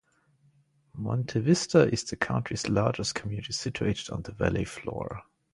Monte Vista is the county's largest community situated on the valley floor.